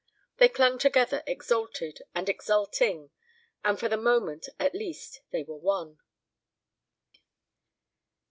They clung together exalted and exulting and for the moment at least they were one.